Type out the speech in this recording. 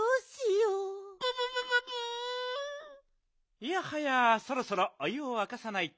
いやはやそろそろお湯をわかさないと。